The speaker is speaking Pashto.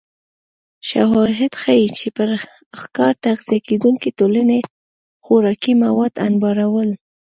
شواهد ښيي چې پر ښکار تغذیه کېدونکې ټولنې خوراکي مواد انبارول